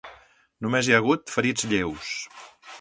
Només hi ha hagut ferits lleus.